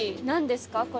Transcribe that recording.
何ですか？